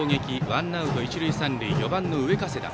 ワンアウト、一塁三塁４番の上加世田。